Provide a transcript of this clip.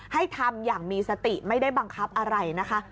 ให้ทำอย่างมีสติไม่ได้บังคับอะไรนะคะ